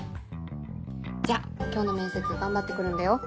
じゃあ今日の面接頑張って来るんだよ。